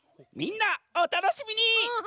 みんなおたのしみに！